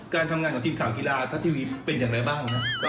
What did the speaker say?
การทำงานของทีมข่าวกีฬาทัศน์ทีวีเป็นอย่างไรบ้างครับ